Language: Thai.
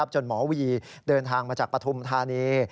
หมอวีเดินทางมาจากปฐุมธานี